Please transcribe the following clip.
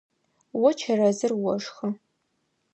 О чэрэзыр ошхы.